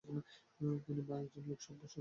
তিনি একজন লোকসভা সদস্য।